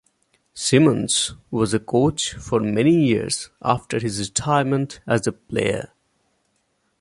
Simmons was a coach for many years after his retirement as a player.